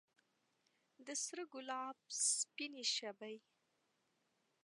د سره ګلاب سپینې شبۍ